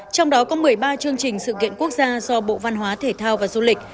trong đó có một mươi ba chương trình sự kiện quốc gia do bộ văn hóa thể thao và du lịch